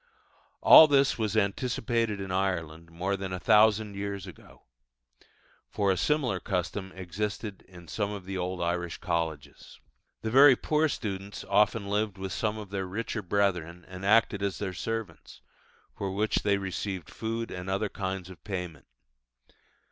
All this was anticipated in Ireland more than a thousand years ago; for a similar custom existed in some of the old Irish colleges. The very poor students often lived with some of their richer brethren, and acted as their servants, for which they received food and other kinds of payment.